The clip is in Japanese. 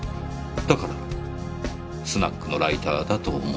だからスナックのライターだと思った。